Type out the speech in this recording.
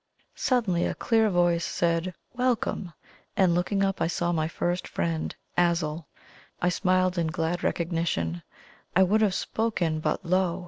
Suddenly a clear voice said "Welcome!" and looking up I saw my first friend, Azul. I smiled in glad recognition I would have spoken but lo!